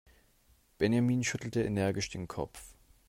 Benjamin schüttelte energisch den Kopf.